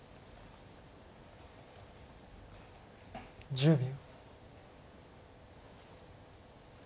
１０秒。